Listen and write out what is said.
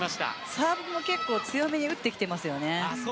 サーブも結構強めに打ってきてますよね。